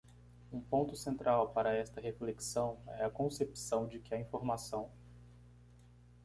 Um ponto central para esta reflexão é a concepção de que a informação